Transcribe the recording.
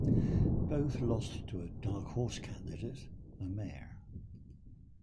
Both lost to a "dark horse candidate": a mare.